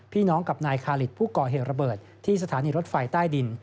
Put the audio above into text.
พี่น้องกับนายคาริสผู้ก่อเหตุระเบิดที่สถานีรถไฟใต้ดิน